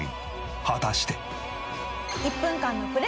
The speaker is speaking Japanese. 果たして。